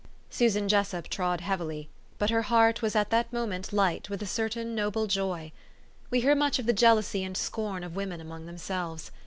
Susan Jessup trod heavily ; but her heart was at that moment light with a certain noble joy. We hear much of the jealousy and scorn of women among themselves.